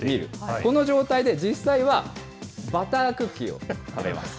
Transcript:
この状態で実際は、バタークッキーを食べます。